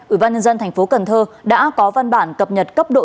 ủy ban nhân dân tp cần thơ đã có văn bản cập nhật cấp độ